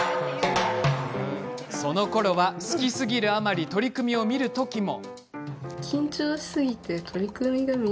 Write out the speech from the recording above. そのころは好きすぎるあまり取組を見る時も。